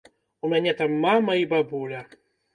У мяне там мама і бабуля.